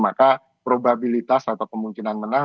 maka probabilitas atau kemungkinan mereka bisa menang